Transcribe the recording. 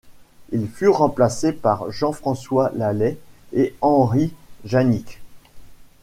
Ils furent remplacés par Jean-François Laley et Henry Djanik.